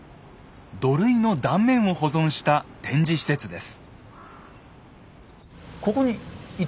土塁の断面を保存した展示施設です。